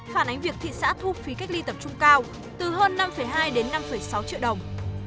phản ánh việc thị xã thu phí cách ly tập trung cao từ hơn năm hai đến năm sáu triệu đồng